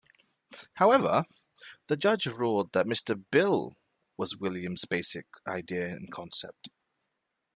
However, the judge ruled that Mr. Bill was Williams's "basic idea and concept".